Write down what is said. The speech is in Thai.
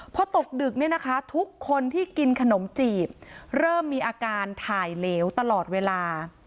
พอตกดึกเนี่ยนะคะทุกคนที่กินขนมจีบเริ่มมีอาการถ่ายเหลวตลอดเวลา